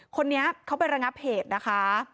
คนนี้เขาไประงับเหตุนะคะ